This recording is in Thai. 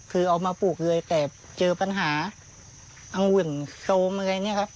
คือเอามาปลูกเลยแต่เจอปัญหาอังุ่นโซมอะไรเนี่ยครับ